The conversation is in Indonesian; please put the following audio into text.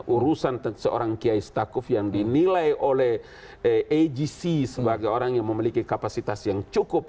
urusan seorang kiai setakuf yang dinilai oleh agc sebagai orang yang memiliki kapasitas yang cukup